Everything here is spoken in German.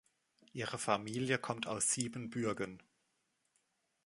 Ihre Familie kommt aus Siebenbürgen.